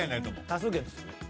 多数決する？